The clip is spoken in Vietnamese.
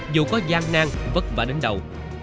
dù có gian nang vất vả đến đầu